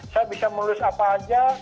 saya bisa menulis apa aja